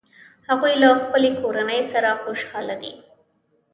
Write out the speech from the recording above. هغوی له خپلې کورنۍ سره خوشحاله دي